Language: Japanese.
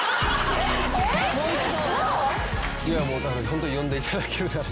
ホントに呼んでいただけるなら。